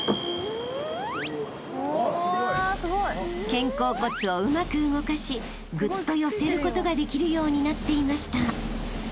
［肩甲骨をうまく動かしぐっと寄せることができるようになっていました］